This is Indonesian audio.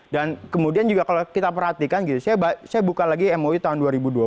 kemudian juga kalau kita perhatikan gitu saya buka lagi mui tahun dua ribu dua puluh